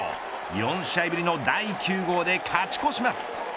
４試合ぶりの第９号で勝ち越します。